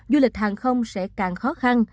du lịch hàng không sẽ càng khó khăn